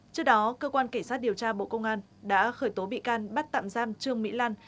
trước đó cơ quan kể sát điều tra bộ công an đã khởi tố bị can bắt tạm giam trương mỹ lan